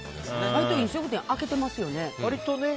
割と飲食店開けてますよね。